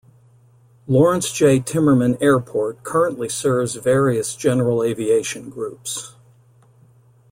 Lawrence J. Timmerman Airport currently serves various general aviation groups.